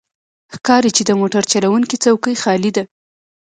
ښکاري چې د موټر چلوونکی څوکۍ خالي ده.